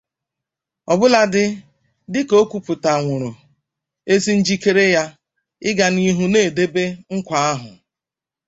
ọbụladị dịka o kwupụtanwòrò ezi njikere ya ịga n'ihu na-edebe nkwà ahụ